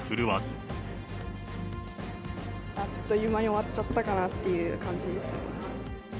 あっという間に終わっちゃったかなっていう感じですね。